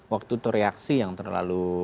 waktu tereaksi yang terlalu